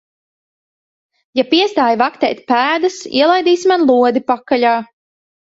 Ja piestāji vaktēt pēdas, ielaidīsi man lodi pakaļā.